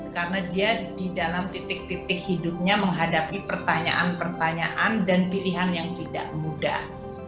karena dia di dalam titik titik hidupnya menghadapi pertanyaan pertanyaan dan pilihan yang tidak mudah